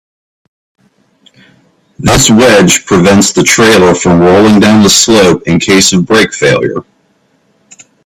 This wedge prevents the trailer from rolling down the slope in case of brake failure.